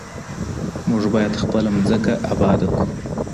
موږ باید خپله مځکه آباده کړو.